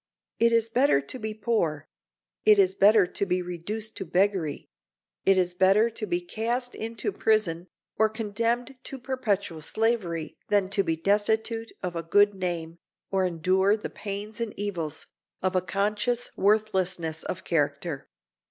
It is better to be poor; it is better to be reduced to beggary; it is better to be cast into prison, or condemned to perpetual slavery than to be destitute of a good name, or endure the pains and evils of a conscious worthlessness of character.